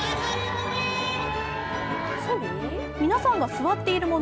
皆さんが座っているもの